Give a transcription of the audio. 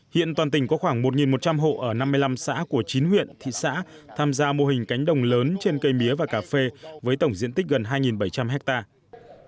hiện toàn tỉnh có khoảng một một trăm linh hộ ở năm mươi năm xã của chín huyện thị xã tham gia mô hình cánh đồng lớn trên cây mía và cà phê với tổng diện tích gần hai bảy trăm linh hectare